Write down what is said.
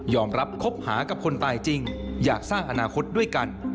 รับคบหากับคนตายจริงอยากสร้างอนาคตด้วยกัน